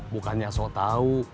bukannya so tau